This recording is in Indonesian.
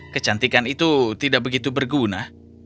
kecantikan itu tidak begitu berguna